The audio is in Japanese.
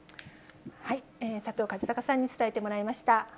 佐藤和孝さんに伝えてもらいました。